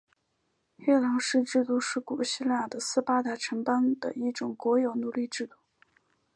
黑劳士制度是古希腊的斯巴达城邦的一种国有奴隶的制度。